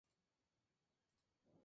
No hay descensos.